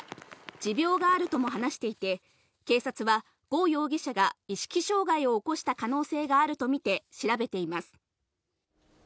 持病があるとも話していて、警察は呉容疑者が意識障害を起こした可能性があると見て、調べています。